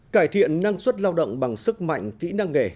cải thiện năng suất lao động bằng sức mạnh kỹ năng nghề